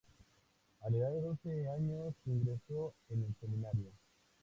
A la edad de once años ingresó en el Seminario.